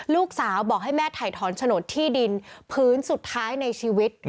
ลูกสาวบอกให้แม่ถ่ายถอนโฉนดที่ดินพื้นสุดท้ายในชีวิต